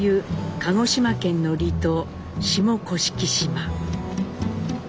鹿児島県の離島下甑島。